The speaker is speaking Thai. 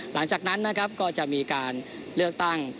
หลังจากนั้นนะครับก็จะมีการเลือกตั้ง